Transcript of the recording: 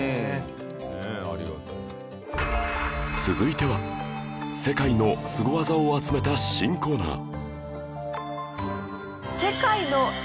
続いては世界のスゴ技を集めた新コーナー